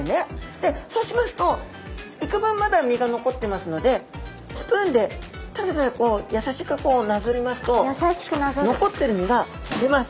でそうしますといくぶんまだ身が残ってますのでスプーンでただただ優しくこうなぞりますと残ってる身がとれます。